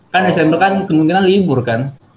kan desember kan kemungkinan libur kan